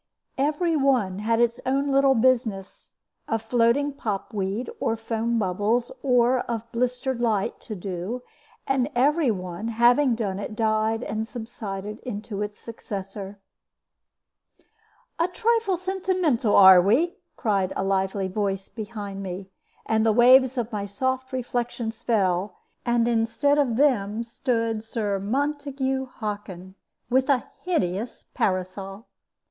Every one had its own little business, of floating pop weed or foam bubbles or of blistered light, to do; and every one, having done it, died and subsided into its successor. "A trifle sentimental, are we?" cried a lively voice behind me, and the waves of my soft reflections fell, and instead of them stood Sir Montague Hockin, with a hideous parasol.